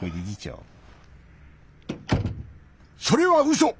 それはうそ！